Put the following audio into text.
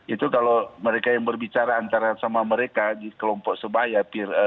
itu kalau mereka yang berbicara antara sama mereka di kelompok sebaya